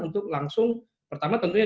untuk langsung pertama tentunya